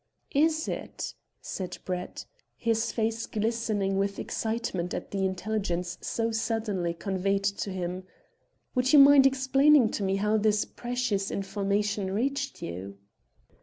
"Is it?" said Brett, his face glistening with excitement at the intelligence so suddenly conveyed to him. "Would you mind explaining to me how this precious information reached you?"